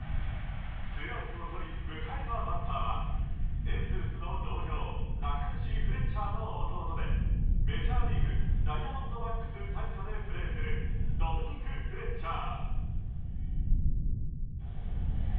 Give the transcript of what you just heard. ２アウトをとり迎えたバッターはエンゼルスの同僚仲良し、フレッチャーの弟でメジャーリーグダイヤモンドバックス傘下でプレーするドミニク・フレッチャー。